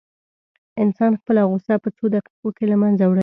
انسان خپله غوسه په څو دقيقو کې له منځه وړلی شي.